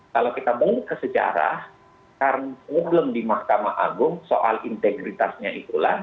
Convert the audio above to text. kalau kita balik ke sejarah karena problem di mahkamah agung soal integritasnya itulah